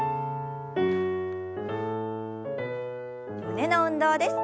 胸の運動です。